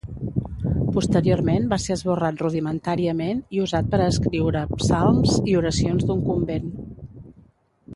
Posteriorment, va ser esborrat rudimentàriament i usat per a escriure psalms i oracions d'un convent.